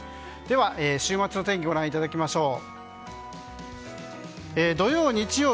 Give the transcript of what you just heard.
では、週末の天気ご覧いただきましょう。